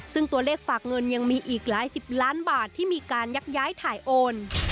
ซึ่งตัวเลขฝากเงินยังมีอีกหลายสิบล้านบาทที่มีการยักย้ายถ่ายโอน